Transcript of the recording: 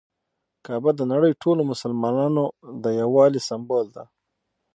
کعبه د نړۍ ټولو مسلمانانو د یووالي سمبول ده.